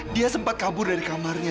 dia sempat kabur dari kamarnya